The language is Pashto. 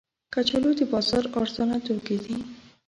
کچالو د بازار ارزانه توکي دي